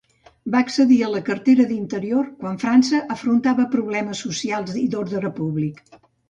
Va accedir a la cartera d'Interior quan França afrontava problemes socials i d'ordre públic.